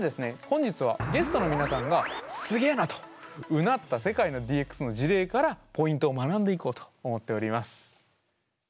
本日はゲストの皆さんが「すげえな」とうなった世界のＤＸの事例からポイントを学んでいこうと思っております。